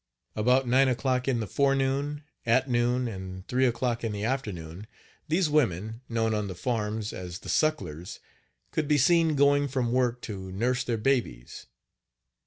About nine o'clock in the forenoon, at noon, and three o'clock in the afternoon, these women, known on the farms as "the sucklers," could be seen going from work to nurse their babies.